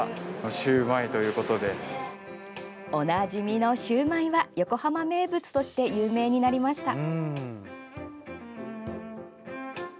おなじみのシューマイは横浜名物として有名になりました。